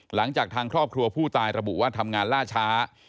หลังจากทางครอบครัวผู้ตายระบุว่าทำงานล่าช้า